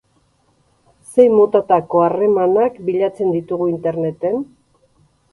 Zein motatako harremanak bilatzen ditugu interneten?